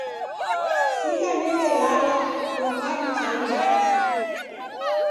Sigha niendelala kio ghadi chaida.